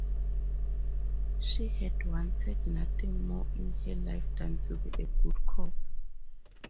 She had wanted nothing more in her life than to be a good cop.